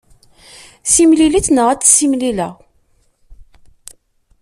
Simlil-itt neɣ ad tt-simlileɣ.